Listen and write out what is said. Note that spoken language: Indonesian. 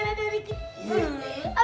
lu tau kan